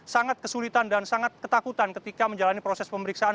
sangat kesulitan dan sangat ketakutan ketika menjalani proses pemeriksaan